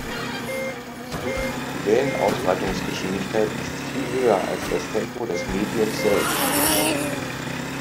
Die Wellenausbreitungsgeschwindigkeit ist viel höher als das Tempo des Mediums selbst.